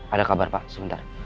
ada kabar pak sebentar